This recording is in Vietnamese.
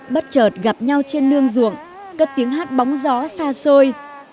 bất chợt gặp nhau trên nương ruộng cất tiếng hát bóng gió xa xôi